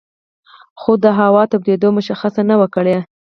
خو د هوا تودېدو مشخصه نه وه کړې